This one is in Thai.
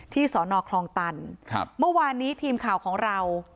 สอนอคลองตันครับเมื่อวานนี้ทีมข่าวของเรา